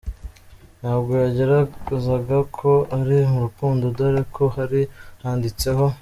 ntabwo yagaragazaga ko ari mu rukundo dore ko hari handitseho.